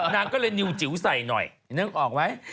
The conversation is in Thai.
นางก็เลยนิวจิ๋วใส่หน่อยนึกออกไหม